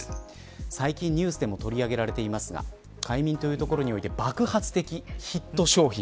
最近ニュースでも取り上げられていますが快眠というところにおいて爆発的ヒット商品。